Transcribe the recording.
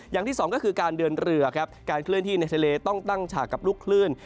อย่างที่สองก็คือการเดินเรือครับการเคลื่อนที่ในทะเลต้องตั้งฉากกับลูกคลื่น